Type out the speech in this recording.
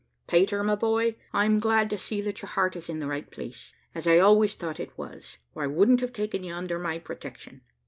"Pater, my boy, I am glad to see that your heart is in the right place, as I always thought it was, or I wouldn't have taken you under my protection.